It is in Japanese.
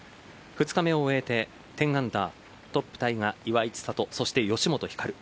２日目を終えて１０アンダートップタイが岩井千怜そして吉本ひかる。